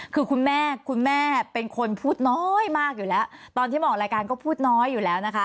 คือคุณแม่คุณแม่เป็นคนพูดน้อยมากอยู่แล้วตอนที่มาออกรายการก็พูดน้อยอยู่แล้วนะคะ